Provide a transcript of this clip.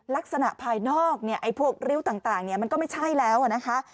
ลักษณะภายนอกพวกริ้วต่างมันก็ไม่ใช่แล้วนะคะ